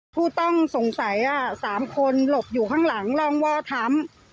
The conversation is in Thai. ผู้ต้องสงสัย๓คนหลบอยู่ข้างหลังร่องว่อท้ำ